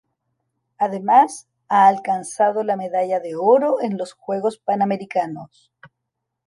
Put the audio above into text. Además ha alcanzado la medalla de oro en los Juegos Panamericanos.